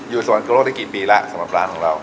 สวรรคโลกได้กี่ปีแล้วสำหรับร้านของเรา